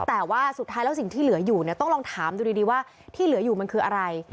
แต่ว่าสุดท้ายแล้วสิ่งที่เหลืออยู่เนี่ยต้องลองถามดูดีว่าที่เหลืออยู่มันคืออะไร